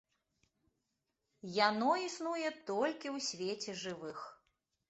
Яно існуе толькі ў свеце жывых.